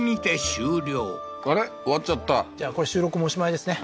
終わっちゃったじゃあこれ収録もおしまいですね